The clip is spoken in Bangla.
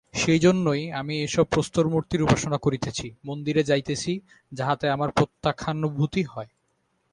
সেইজন্যই আমি এইসব প্রস্তরমূর্তির উপাসনা করিতেছি, মন্দিরে যাইতেছি, যাহাতে আমার প্রত্যক্ষানুভূতি হয়।